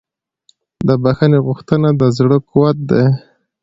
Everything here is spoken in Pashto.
د بښنې غوښتنه د زړه قوت دی.